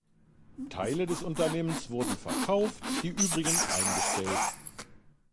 Teile des Unternehmens wurden verkauft, die übrigen eingestellt.